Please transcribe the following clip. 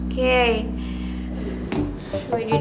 cek darahnya ya